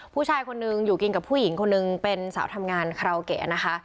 ผู้ชายคนนึงอยู่กินกับผู้หญิงคนนึงเป็นสาวทำงานคาราโอเกะนะคะ